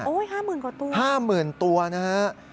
โอ๊ยห้าหมื่นกว่าตัวนะครับห้าหมื่นตัวนะครับ